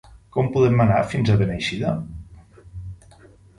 Com podem anar fins a Beneixida?